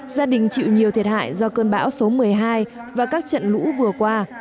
gia đình chịu nhiều thiệt hại do cơn bão số một mươi hai và các trận lũ vừa qua